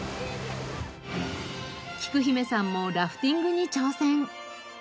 きく姫さんもラフティングに挑戦。